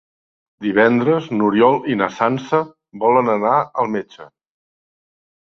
Divendres n'Oriol i na Sança volen anar al metge.